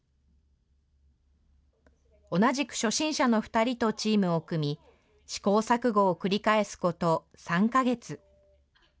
同じく初心者の２人とチームを組み、試行錯誤を繰り返すこと３か月。